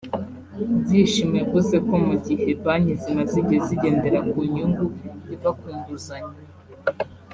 Byishimo yavuze ko mu gihe banki zimaze igihe zigendera ku nyungu iva ku nguzanyo